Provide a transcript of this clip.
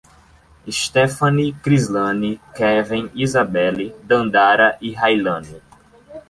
Stefane, Crislane, Keven, Isabelly, Dandara e Railane